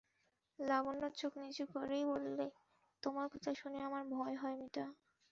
লাবণ্য চোখ নিচু করেই বললে, তোমার কথা শুনে আমার ভয় হয় মিতা।